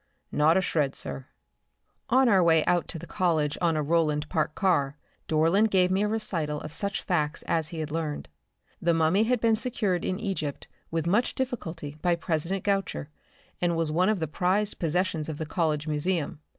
"Not a shred, sir." On our way out to the College on a Roland Park car, Dorland gave me a recital of such facts as he had learned. The mummy had been secured in Egypt with much difficulty by President Goucher and was one of the prized possessions of the College museum.